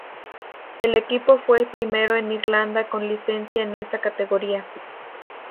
El equipo fue el primero en Irlanda con licencia en esta categoría.